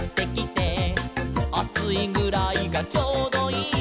「『あついぐらいがちょうどいい』」